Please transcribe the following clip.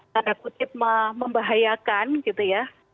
tanda kutip membahayakan gitu ya